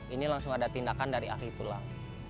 ini langsung ada tindakan dari ahli tulang